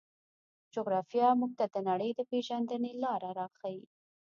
جغرافیه موږ ته د نړۍ د پېژندنې لاره راښيي.